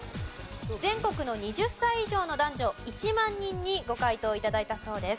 全国の２０歳以上の男女１万人にご回答頂いたそうです。